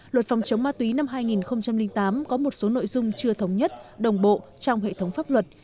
luật phòng chống ma túy năm hai nghìn tám có một số nội dung chưa thống nhất đồng bộ trong hệ thống pháp luật